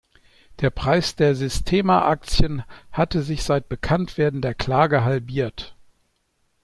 Der Preis der Sistema-Aktien hatte sich seit Bekanntwerden der Klage halbiert.